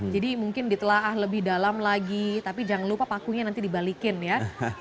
jadi mungkin ditelah lebih dalam lagi tapi jangan lupa pakunya nanti dibalikin ya